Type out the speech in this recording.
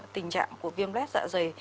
tình trạng của viêm lét dạ dày